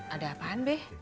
ada apaan be